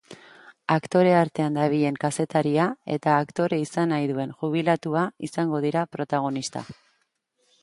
Aktore artean dabilen kazetaria eta aktore izan nahi duen jubilatua izango dira protagonista.